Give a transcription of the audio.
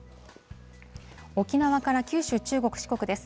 沖縄から九州、中国、四国です。